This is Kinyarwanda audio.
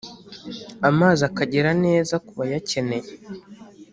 amazi akagera neza ku bayakeneye